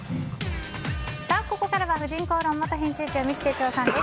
ここからは「婦人公論」元編集長三木哲男さんです。